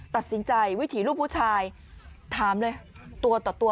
ตัดสินใจวิถีลูกผู้ชายถามเลยตัวต่อตัว